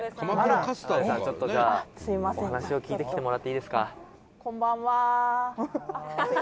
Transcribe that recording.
ちょっとじゃあお話を聞いてきてもらっていいですか？」